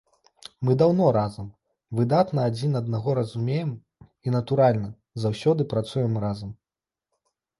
Мы даўно разам, выдатна адзін аднаго разумеем і, натуральна, заўсёды працуем разам.